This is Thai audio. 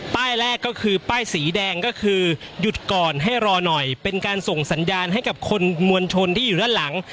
แรกก็คือป้ายสีแดงก็คือหยุดก่อนให้รอหน่อยเป็นการส่งสัญญาณให้กับคนมวลชนที่อยู่ด้านหลัง